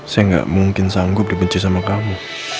saya nggak mungkin sanggup dibenci sama kamu